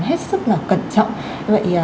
hết sức là cẩn trọng